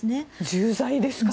重罪ですからね。